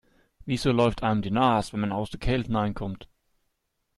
Wieso läuft einem die Nase, wenn man aus der Kälte hineinkommt?